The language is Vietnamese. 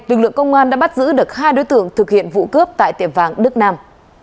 lực lượng công an đã bắt giữ được hai đối tượng thực hiện vụ cướp tại tiệm vàng đức nam